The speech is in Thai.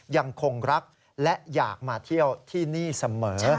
ยังคงรักและอยากมาเที่ยวที่นี่เสมอ